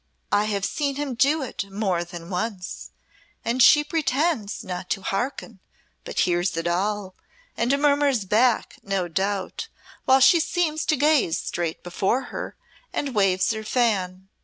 I have seen him do it more than once, and she pretends not to hearken, but hears it all, and murmurs back, no doubt, while she seems to gaze straight before her, and waves her fan.